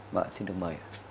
vâng xin được mời